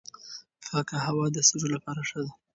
پاکه هوا د سږو لپاره ښه ده.